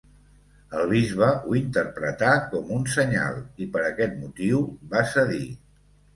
El bisbe ho interpretà com un senyal i per aquest motiu va cedir.